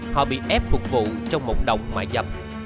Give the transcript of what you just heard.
họ bị ép phục vụ trong một đồng mại dâm